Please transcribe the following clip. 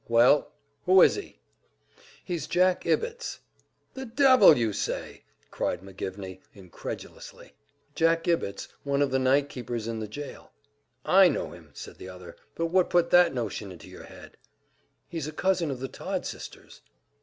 "Well, who is he?" "He's Jack Ibbetts." "The devil you say!" cried McGivney, incredulously. "Jack Ibbetts, one of the night keepers in the jail." "I know him," said the other. "But what put that notion into your head?" "He's a cousin of the Todd sisters."